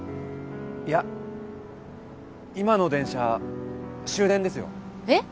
いや今の電車終電ですよ。えっ！？